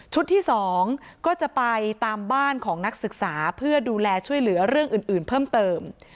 ที่๒ก็จะไปตามบ้านของนักศึกษาเพื่อดูแลช่วยเหลือเรื่องอื่นเพิ่มเติม